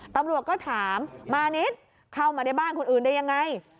ตำรวจก็ถามมานิดเข้ามาในบ้านคนอื่นได้ยังไง